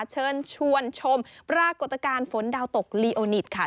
เชิญชวนชมปรากฏการณ์ฝนดาวตกลีโอนิตค่ะ